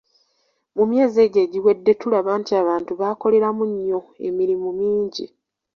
Mu myezi egyo egiwedde tulaba nti abantu bakoleramu nnyo emirimu mingi.